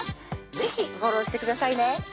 是非フォローしてくださいね